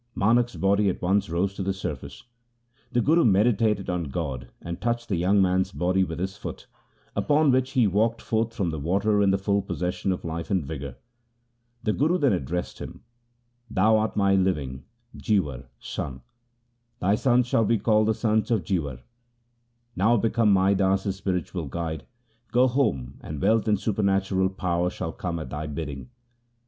Manak's body at once rose to the surface. The Guru meditated on God, and touched the young man's body with his foot, upon which he walked forth from the water in the full possession of life and vigour. The Guru then ad dressed him :' Thou art my living — jiwar — son. Thy sons shall be called sons of Jiwar. Now become Mai Das's spiritual guide, go home, and wealth and supernatural power shall come at thy bidding.'